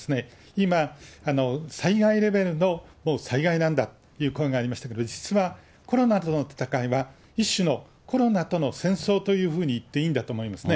今、災害レベルの災害なんだという声がありましたけれども、実はコロナとの闘いは、一種のコロナとの戦争というふうに言っていいんだと思いますね。